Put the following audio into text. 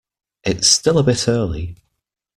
It's still a bit early.